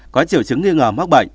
có triệu chứng nghi ngờ mắc bệnh